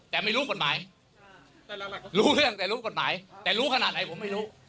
แต่ไม่รู้กฎหมายรู้เรื่องแต่รู้กฎหมายแต่รู้ขนาดไหนผมไม่รู้